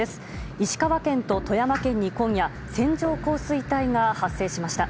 石川県と富山県に今夜線状降水帯が発生しました。